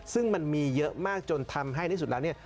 ซึ่งมันมีเยอะมากจนทำให้ที่สุดแล้วเนี่ย